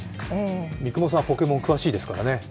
三雲さんは「ポケモン」詳しいですもんね。